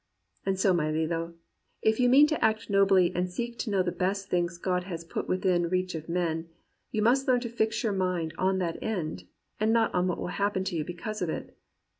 And so, my Lillo, if you mean to act nobly and seek to know the best things God has put within reach of men, you must learn to fix your mind on that end, and not on what will happen to you because of it.